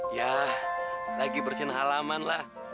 ya lagi bersihin halaman lah